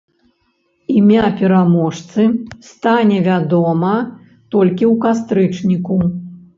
Імя пераможцы стане вядома толькі ў кастрычніку.